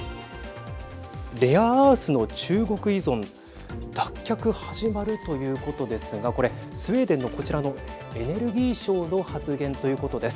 レアアースの中国依存脱却始まるということですがこれ、スウェーデンのこちらのエネルギー相の発言ということです。